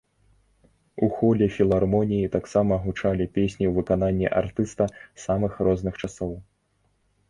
У холе філармоніі таксама гучалі песні ў выкананні артыста самых розных часоў.